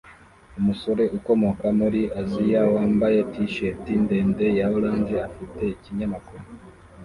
Umusore ukomoka muri asiyani wambaye t-shati ndende ya orange afite ikinyamakuru